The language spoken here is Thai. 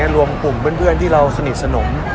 รวมกลุ่มเพื่อนที่เราสนิทสนม